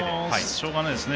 しょうがないですね。